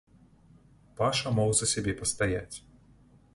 Паша мог за сябе пастаяць.